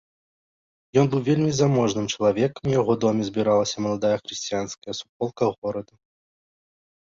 Ён быў вельмі заможным чалавекам, у яго доме збіралася маладая хрысціянская суполка горада.